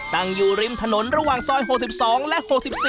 ตั้งอยู่ริมถนนระหว่างซอย๖๒และ๖๔